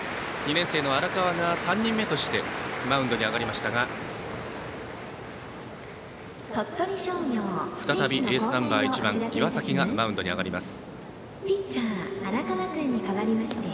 ２年生の荒川が３人目としてマウンドに上がりましたが再びエースナンバー１番岩崎がマウンドに上がります。